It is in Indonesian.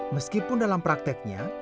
meskipun dalam prakteknya